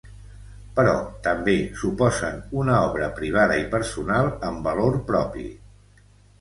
Però, també, suposen una obra privada i personal amb valor propi.